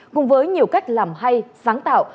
cùng với nhiều cách làm hay sáng tạo